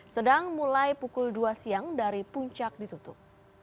sedang mulai pukul dua siang dari puncak ditutup